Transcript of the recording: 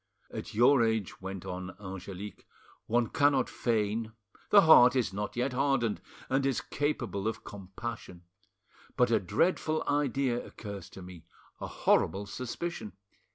"At your age," went on Angelique, "one cannot feign—the heart is not yet hardened, and is capable of compassion. But a dreadful idea occurs to me—a horrible suspicion!